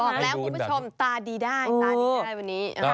บอกแล้วคุณผู้ชมตาดีได้ตาดีได้วันนี้